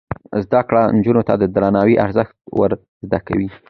زده کړه نجونو ته د درناوي ارزښت ور زده کوي.